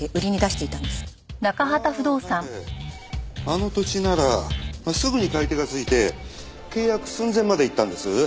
あの土地ならすぐに買い手がついて契約寸前までいったんです。